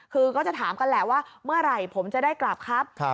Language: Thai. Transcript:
คือก็จะถามกันแหละว่าเมื่อไหร่ผมจะได้กลับครับ